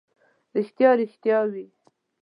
ریښتیا، ریښتیا وي.